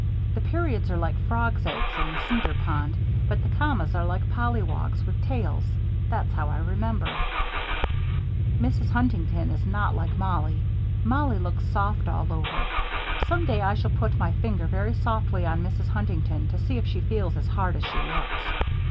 The periods are like frog's eggs in the Cinder Pond but the commas are like pollywogs with tails. That's how I remember. Mrs. Huntington is not like Mollie. Mollie looks soft all over. Some day I shall put my finger very softly on Mrs. Huntington to see if she feels as hard as she looks.